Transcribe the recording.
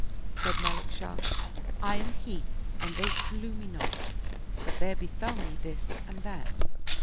Said Malik Shah, '' I am he and they slew me not, but there befell me this and that."